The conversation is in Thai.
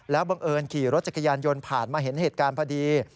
บังเอิญขี่รถจักรยานยนต์ผ่านมาเห็นเหตุการณ์พอดี